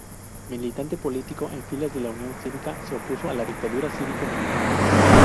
Militante político en filas de la Unión Cívica, se opuso a la dictadura cívico-militar.